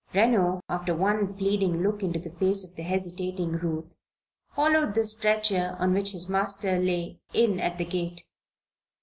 Reno after one pleading look into the face of the hesitating Ruth, followed the stretcher on which his master lay, in at the gate.